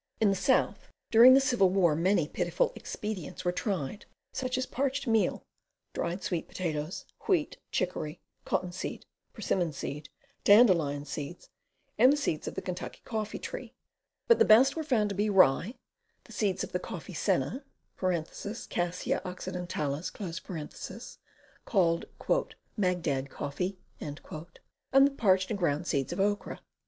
In the South during the Civil War many pitiful expedients were tried, such as parched meal, dried sweet potatoes, wheat, chicory, cotton seed, persimmon seed, dandelion seed, and the seeds of the Kentucky coffee tree; but the best were found to be rye, the seeds of the coffee senna (Cassia occidentalis) called "Magdad coffee," and the parched and ground seeds of okra.